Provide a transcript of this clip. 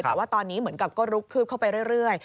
แต่ว่าตอนนี้เหมือนกับก็ลุกคืบเข้าไปเรื่อย